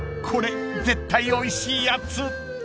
これ絶対おいしいやつ］